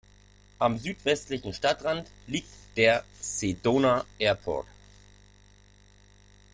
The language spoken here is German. Am südwestlichen Stadtrand liegt der "Sedona Airport".